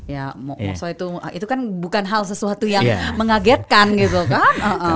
ya maksudnya itu kan bukan hal sesuatu yang mengagetkan gitu kan